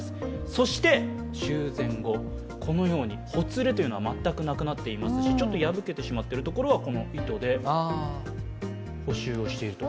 そして修繕後、このようにほつれは全くなくなっていますし、ちょっと破けてしまっているところは糸で保修をしていると。